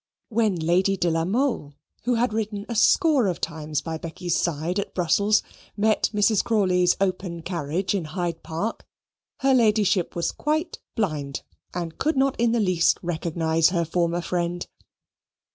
When Lady de la Mole, who had ridden a score of times by Becky's side at Brussels, met Mrs. Crawley's open carriage in Hyde Park, her Ladyship was quite blind, and could not in the least recognize her former friend.